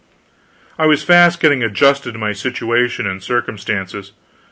I was fast getting adjusted to my situation and circumstances.